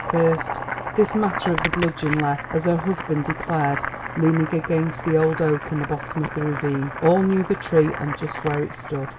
First, this matter of the bludgeon left, as her husband declared, leaning against the old oak in the bottom of the ravine. All knew the tree and just where it stood.